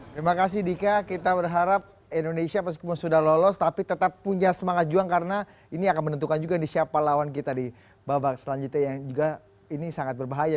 terima kasih dika kita berharap indonesia meskipun sudah lolos tapi tetap punya semangat juang karena ini akan menentukan juga nih siapa lawan kita di babak selanjutnya yang juga ini sangat berbahaya